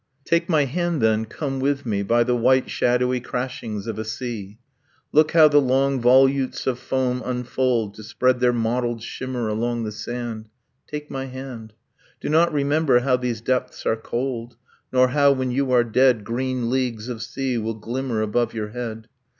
Take my hand, then, come with me By the white shadowy crashings of a sea ... Look how the long volutes of foam unfold To spread their mottled shimmer along the sand! ... Take my hand, Do not remember how these depths are cold, Nor how, when you are dead, Green leagues of sea will glimmer above your head.